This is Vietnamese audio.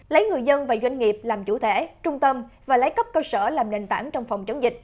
lấy người dân và doanh nghiệp làm chủ thể trung tâm và lấy cấp cơ sở làm nền tảng trong phòng chống dịch